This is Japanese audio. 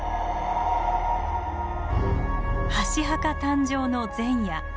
箸墓誕生の前夜。